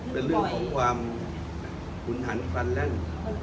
เป็นเรื่องของความขุนหันควันแล่น